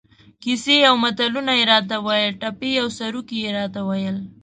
کیسې او متلونه یې را ته ویل، ټپې او سروکي یې را ته ویل.